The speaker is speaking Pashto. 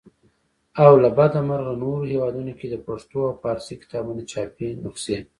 او له بده مرغه نورو هیوادونو کې د پښتو او فارسي کتابونو چاپي نخسې.